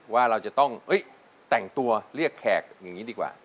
ว่าเราจะต้องแต่งตัวเรียกแขกอย่างนี้ดีกว่า